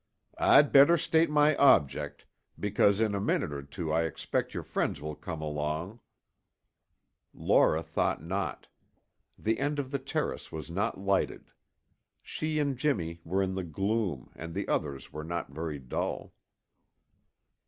"I'd better state my object, because in a minute or two I expect your friends will come along " Laura thought not. The end of the terrace was not lighted. She and Jimmy were in the gloom and the others were not very dull.